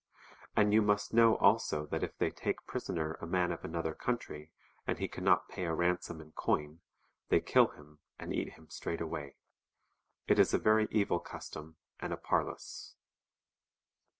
And you must know also that if they take prisoner a man of another country, and he can not pay a ransom in coin, they kill him and eat him straightway. It is a very evil custom and a parlous.'